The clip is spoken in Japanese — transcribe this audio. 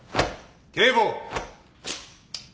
警棒。